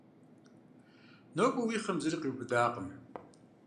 Нобэ уи хъым зыри къиубыдакъым.